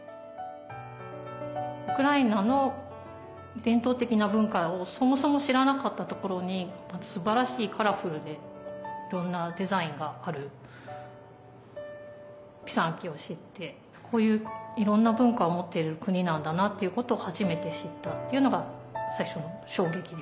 ウクライナの伝統的な文化をそもそも知らなかったところにすばらしいカラフルでいろんなデザインがあるピサンキを知ってこういういろんな文化を持っている国なんだなということを初めて知ったというのが最初の衝撃でした。